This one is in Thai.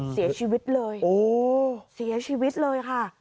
เสียชีวิตเลย